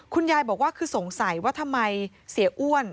คุณยายบอกว่าคือสงสัยว่าทำไมเสียอ้วน